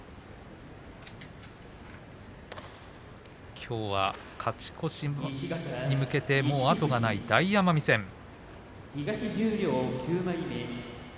きょうは勝ち越しに向けてもう後がない大奄美戦です。